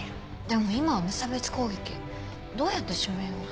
でも今は無差別攻撃どうやって指名を？